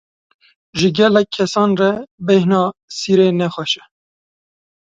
Ji gelek kesan re, bêhna sîrê ne xweş e.